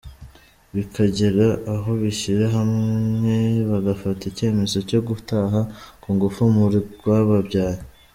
Bikagera aho bishyira hamwe bagafata icyemezo cyo gutaha ku ngufu mu rwababyaye.